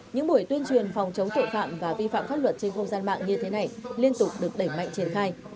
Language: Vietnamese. những buổi tuyên truyền phòng chống tội phạm và vi phạm pháp luật trên không gian mạng như thế này liên tục được đẩy mạnh triển khai